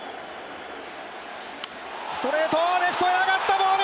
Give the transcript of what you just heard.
ストレート、レフトへ上がったボール